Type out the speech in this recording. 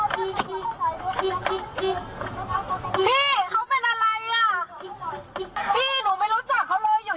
พี่หนูไม่รู้จักเขาเลยอยู่ดีดีเขาโดดใส่รถหน้านู่เนี่ย